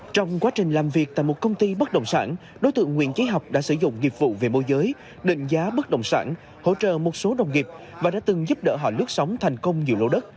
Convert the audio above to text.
trong quá trình làm việc tại một công ty bất động sản đối tượng nguyễn trí học đã sử dụng nghiệp vụ về môi giới định giá bất động sản hỗ trợ một số đồng nghiệp và đã từng giúp đỡ họ lướt sóng thành công nhiều lỗ đất